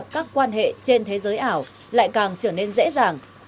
các quan hệ trên thế giới ảo lại càng trở nên dễ dàng